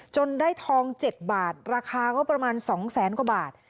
ได้ทอง๗บาทราคาก็ประมาณ๒แสนกว่าบาท